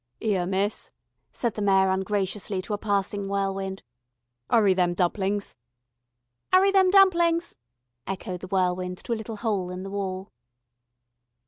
"'Ere, miss," said the Mayor ungraciously to a passing whirlwind. "'Urry them dumplings." "'Urry them dumplings," echoed the whirlwind to a little hole in the wall.